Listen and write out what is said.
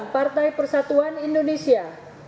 partai persatuan indonesia